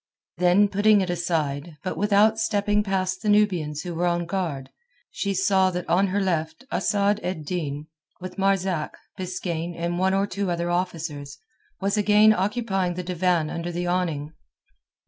Then putting it aside, but without stepping past the Nubians who were on guard, she saw that on her left Asad ed Din, with Marzak, Biskaine, and one or two other officers, was again occupying the divan under the awning.